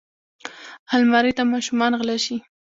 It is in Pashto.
الماري ته ماشومان غله شي